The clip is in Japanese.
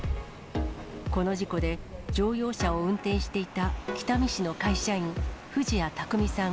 この事故で、乗用車を運転していた北見市の会社員、藤谷拓未さん